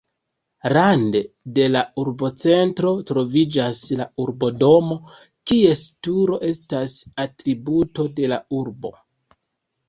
Rande de la urbocentro troviĝas la urbodomo, kies turo estas atributo de la urbo.